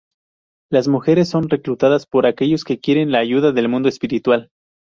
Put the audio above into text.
Las mujeres son reclutadas por aquellos que quieren la ayuda del mundo espiritual.